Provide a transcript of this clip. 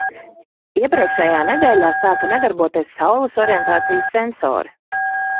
Iepriekšējā nedēļā sāka nedarboties Saules orientācijas sensori.